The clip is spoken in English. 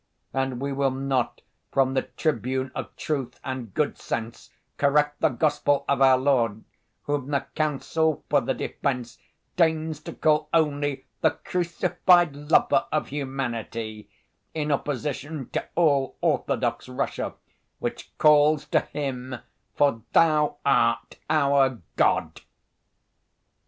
And we will not from the tribune of truth and good sense correct the Gospel of our Lord, Whom the counsel for the defense deigns to call only 'the crucified lover of humanity,' in opposition to all orthodox Russia, which calls to Him, 'For Thou art our God!